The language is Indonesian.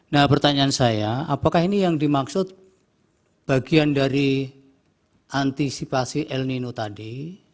nah pertanyaan saya apakah ini yang dimaksud bagian dari antisipasi el nino tadi